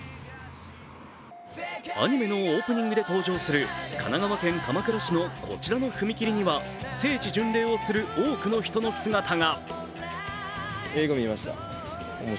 アニメのオープニングで登場する神奈川県鎌倉市のこちらの踏切には、聖地巡礼をする多くの人の姿が。